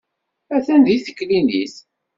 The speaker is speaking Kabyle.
Atan deg teklinit.